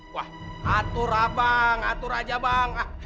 wah atur ah bang atur aja bang